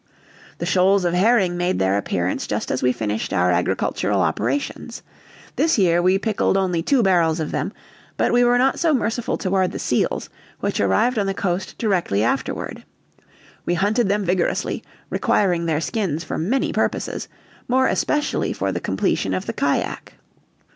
The shoals of herring made their appearance just as we finished our agricultural operations. This year we pickled only two barrels of them; but we were not so merciful toward the seals, which arrived on the coast directly afterward. We hunted them vigorously, requiring their skins for many purposes, more especially for the completion of the cajack.